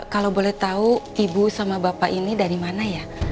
kalau boleh tahu ibu sama bapak ini dari mana ya